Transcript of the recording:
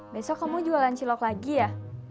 besok kamu jualan cilok lagi ya